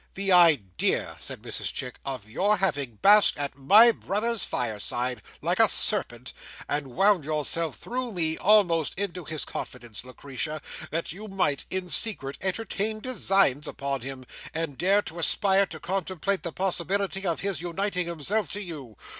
"The idea!" said Mrs Chick, "of your having basked at my brother's fireside, like a serpent, and wound yourself, through me, almost into his confidence, Lucretia, that you might, in secret, entertain designs upon him, and dare to aspire to contemplate the possibility of his uniting himself to you!